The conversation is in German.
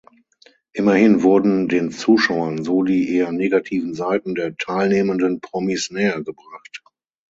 Immerhin wurden den Zuschauern so die eher negativen Seiten der teilnehmenden Promis nähergebracht.